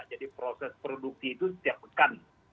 jadi proses produksi itu setiap pekan